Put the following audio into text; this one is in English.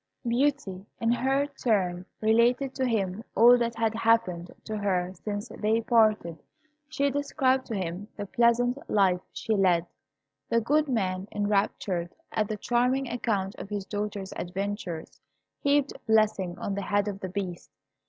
Beauty, in her turn, related to him all that had happened to her since they parted. She described to him the pleasant life she led. The good man, enraptured at the charming account of his daughter's adventures, heaped blessings on the head of the Beast.